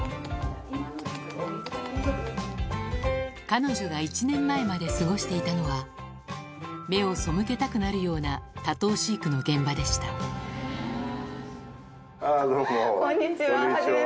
彼女が１年前まで過ごしていたのは目を背けたくなるような多頭飼育の現場でしたどうも。